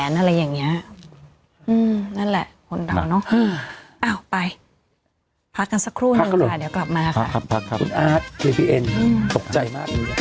เช่นได้รู้มั้ยครับ